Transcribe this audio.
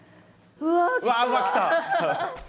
うわっうわ来た。